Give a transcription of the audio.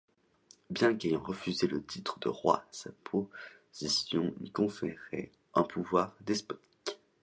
Bien qu'ayant refusé le titre de roi sa position lui conférait un pouvoir despotique.